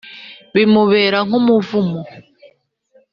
bimubera nk’umuvumo